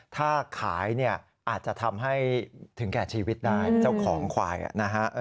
ถ้าขายเนี่ยอาจจะทำให้ถึงแก่ชีวิตได้เจ้าของควายนะฮะ